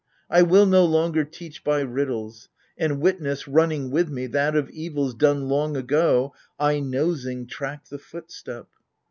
I will no longer teach by riddles. And witness, running with me, that of evils Done long ago, I nosing track the footstep